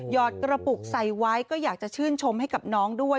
อดกระปุกใส่ไว้ก็อยากจะชื่นชมให้กับน้องด้วย